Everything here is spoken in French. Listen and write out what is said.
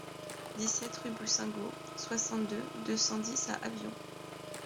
dix-sept rue Boussingault, soixante-deux, deux cent dix à Avion